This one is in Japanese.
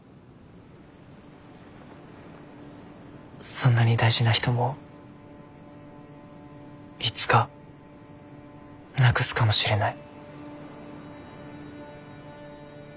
そんなに大事な人もいつかなくすかもしれない。